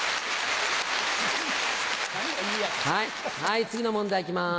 はいはい次の問題行きます。